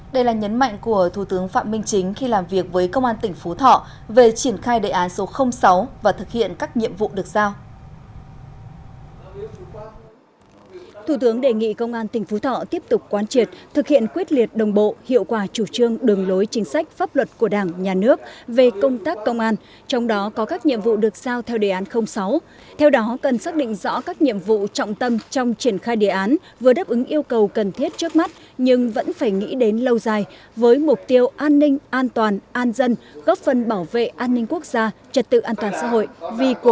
đây là nhấn mạnh của thủ tướng phạm minh chính khi làm việc với công an tỉnh phú thọ về triển khai đề án số sáu và thực hiện các nhiệm vụ được sao